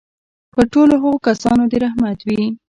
پر ټولو هغو کسانو دي رحمت وي.